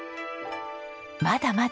まだまだ！